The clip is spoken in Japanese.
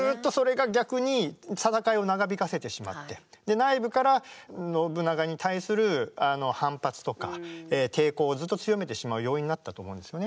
で内部から信長に対するあの反発とか抵抗をずっと強めてしまう要因になったと思うんですよね。